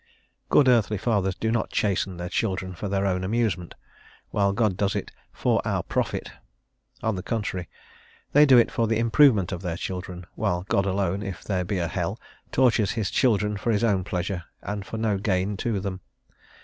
Good earthly fathers do not chasten their children for their own amusement, while God does it "for our profit;" on the contrary, they do it for the improvement of their children, while God alone, if there be a hell, tortures his children for his own pleasure and for no gain to them.